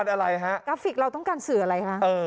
กราฟฟิกเราต้องการสื่ออะไร